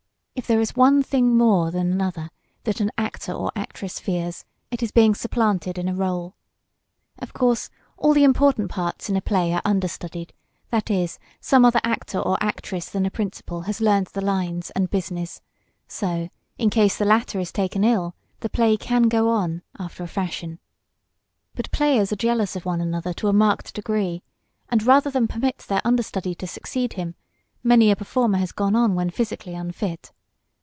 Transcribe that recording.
If there is one thing more than another that an actor or actress fears, it is being supplanted in a rôle. Of course, all the important parts in a play are "understudied"; that is, some other actor or actress than the principal has learned the lines and "business" so, in case the latter is taken ill, the play can go on, after a fashion. But players are jealous of one another to a marked degree, and rather than permit their understudy to succeed him, many a performer has gone on when physically unfit.